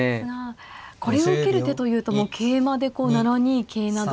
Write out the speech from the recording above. これを受ける手というともう桂馬でこう７二桂など。